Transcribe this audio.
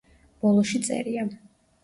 ბოლოში წერია.